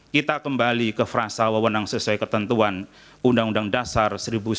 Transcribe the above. kita kembali ke frasa wewenang sesuai ketentuan undang undang dasar seribu sembilan ratus empat puluh